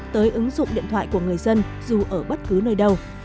tới ứng dụng điện thoại của người dân dù ở bất cứ nơi đâu